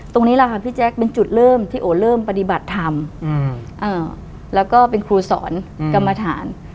ตรงนี้แหละค่ะพี่แจ๊คเป็นจุดเริ่มที่โอเริ่มปฏิบัติธรรมแล้วก็เป็นครูสอนกรรมฐาน